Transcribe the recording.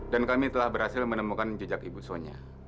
kami telah berhasil menemukan jejak ibu sonya